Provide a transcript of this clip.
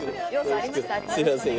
すいません